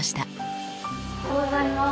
おはようございます。